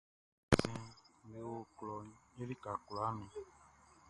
Magasinʼm be o klɔʼn i lika kwlaa nun.